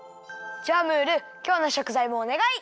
じゃあムールきょうのしょくざいもおねがい！